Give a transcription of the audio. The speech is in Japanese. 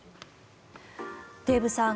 デーブさん